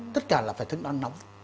tất cả là phải thức ăn nóng